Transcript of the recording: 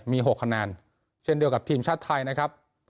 มี๖คะแนนเช่นเดียวกับทีมชาติไทยนะครับ